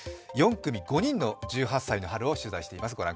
４組５人の１８歳の春を取材しています。